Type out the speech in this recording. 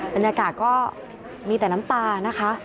บรรยากาศก็มีแต่น้ำตานะคะ